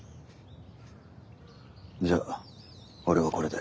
じゃあ俺はこれで。